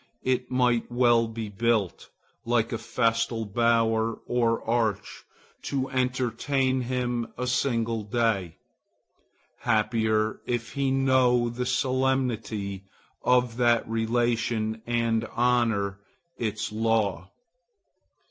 It might well be built, like a festal bower or arch, to entertain him a single day. Happier, if he know the solemnity of that relation and honor its law!